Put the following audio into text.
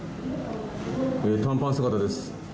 短パン姿です。